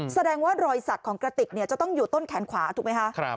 แสดงว่ารอยสักของกระติกจะต้องอยู่ต้นแขนขวาถูกไหมคะ